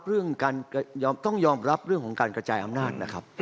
เรื่องการต้องยอมรับเรื่องของการกระจายอำนาจนะครับ